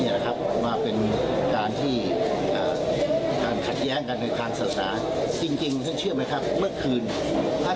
นั่นคือเป็นสิ่งที่ไม่สามารถทำลายตัวนี้นะครับผมเชื่อมั่นตัวนี้ครับ